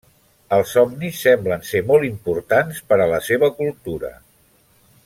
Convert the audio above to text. Els somnis semblen ser molt importants per a la seva cultura.